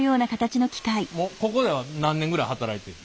ここでは何年ぐらい働いてる？